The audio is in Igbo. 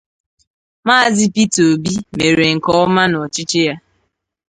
Maazị Peter Obi mèrè nke ọma n'ọchịchị ya